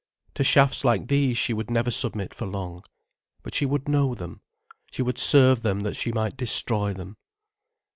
To shafts like these she would never submit for long. But she would know them. She would serve them that she might destroy them.